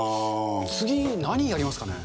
次、何やりますかね。